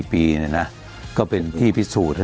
เนี้ยนะก็เป็นที่พิสูจน์